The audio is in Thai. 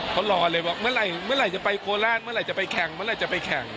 เขารอเลยบอกเมื่อไหร่จะไปโคราชเมื่อไหร่จะไปแข่งเมื่อไหร่จะไปแข่ง